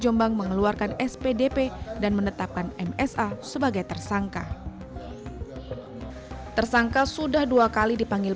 jombang mengeluarkan spdp dan menetapkan msa sebagai tersangka tersangka sudah dua kali dipanggil